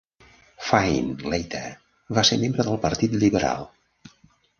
Findlater va ser membre del Partit Liberal.